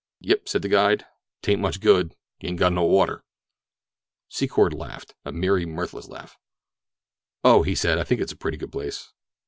"Yep," said the guide. "'Tain't much good. You ain't got no water." Secor laughed—a weary, mirthless laugh. "Oh," he said, "I think it's a pretty good place."